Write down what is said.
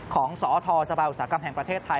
ของสธสบายอุตสาหกรรมแห่งประเทศไทย